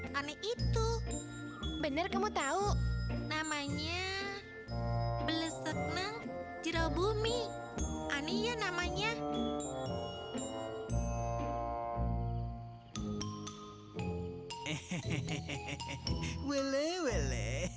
waktu kamu mau meminta jerami jadi emas